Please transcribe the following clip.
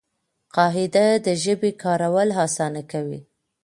قاعده د ژبي کارول آسانه کوي.